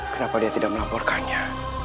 kenapa dia tidak melaporkannya